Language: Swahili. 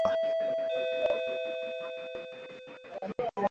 utahitaji Vitunguu swaumu vilivyopondwa